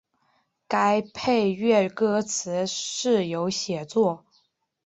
该配乐歌词是由写作。